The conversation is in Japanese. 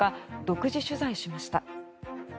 独自取材しました。